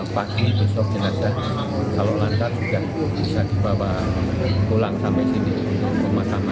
pagi besok jenazah kalau lantar juga bisa dibawa pulang sampai sini pemasangan